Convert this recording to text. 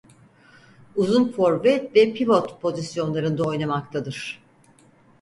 Uzun forvet ve pivot pozisyonlarında oynamaktadır.